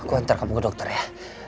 aku hantar kamu ke dokter ya